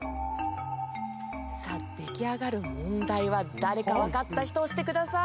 さあ出来上がる問題は誰かわかった人押してください。